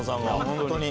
本当に。